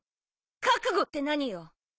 覚悟って何よ？